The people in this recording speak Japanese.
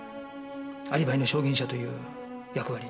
アリバイの証言者という役割に。